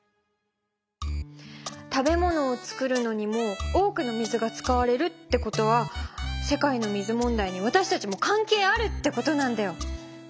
食べ物を作るのにも多くの水が使われるってことは世界の水問題にわたしたちも関係あるってことなんだよ。